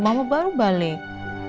mama baru balik